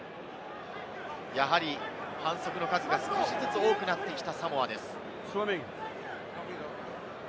やはり反則の数が少しずつ多くなってきたサモアです。